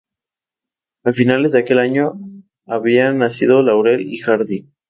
A finales de aquel año habían nacido Laurel y Hardy.